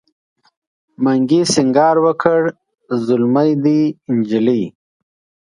منګي سینګار وکړ زلمی دی نجلۍ